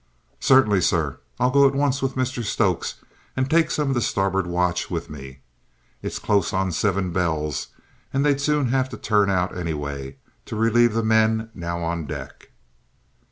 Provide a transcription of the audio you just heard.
"Certainly, sir; I'll go at once with Mr Stokes and take some of the starboard watch with me. It's close on seven bells and they'd soon have to turn out, anyway, to relieve the men now on deck."